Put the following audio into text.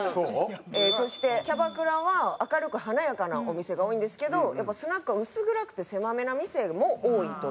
そしてキャバクラは明るく華やかなお店が多いんですけどやっぱスナックは薄暗くて狭めな店も多いという。